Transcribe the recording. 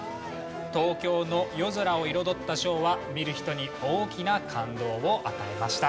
東京の夜空を彩ったショーは見る人に大きな感動を与えました。